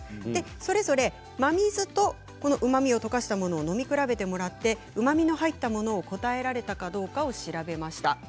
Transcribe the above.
それぞれ、真水とうまみを溶かしたものを飲み比べてもらって、うまみの入ったものを答えられたかどうかを調べました。